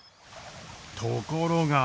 ところが。